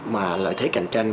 mà lợi thế cạnh tranh